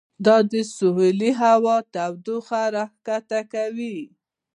دا د ساحلي هوا تودوخه راښکته کوي.